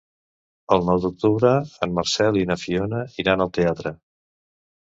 El nou d'octubre en Marcel i na Fiona iran al teatre.